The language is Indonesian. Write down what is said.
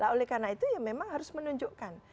oleh karena itu memang harus menunjukkan